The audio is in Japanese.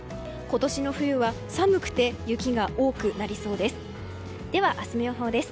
今年の冬は寒くて雪が多くなりそうです。